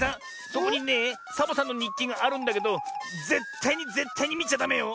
そこにねえサボさんのにっきがあるんだけどぜったいにぜったいにみちゃダメよ。